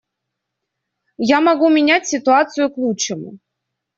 Я могу менять ситуацию к лучшему.